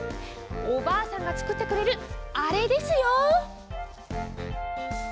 おばあさんがつくってくれるあれですよ。